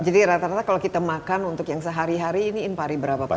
jadi rata rata kalau kita makan untuk yang sehari hari ini impari berapa pak